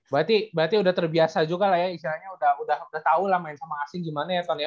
berarti udah terbiasa juga lah ya istilahnya udah tau lah main sama asing gimana ya ton ya